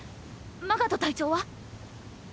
マガト隊長は？